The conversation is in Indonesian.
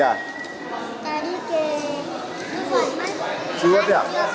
tadi ke siwot